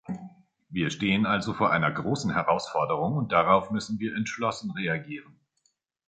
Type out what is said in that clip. Wir stehen also vor einer großen Herausforderung und darauf müssen wir entschlossen reagieren.